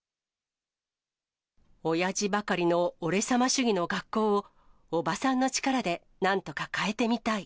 おやじばかりのオレ様主義の学校を、おばさんの力でなんとか変えてみたい。